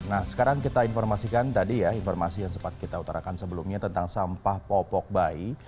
nah sekarang kita informasikan tadi ya informasi yang sempat kita utarakan sebelumnya tentang sampah popok bayi